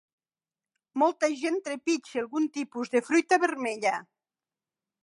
Molta gent trepitja algun tipus de fruita vermella.